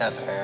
hah apa saja